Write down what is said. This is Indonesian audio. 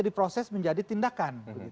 diproses menjadi tindakan